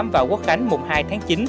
và quốc khánh mùa hai tháng chín